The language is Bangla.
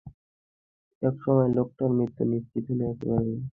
একসময় লোকটার মৃত্যু নিশ্চিত হলে একেবারে স্থবির হয়ে পড়ে হোসেন আলী।